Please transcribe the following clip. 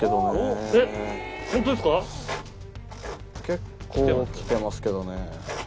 結構きてますけどね。